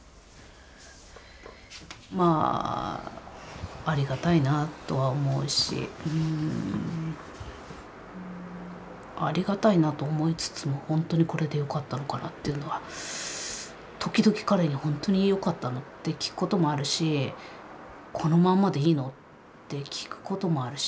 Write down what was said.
まあありがたいなとは思うしありがたいなと思いつつもほんとにこれでよかったのかなというのは時々彼にほんとによかったの？って聞くこともあるしこのまんまでいいの？って聞くこともあるし。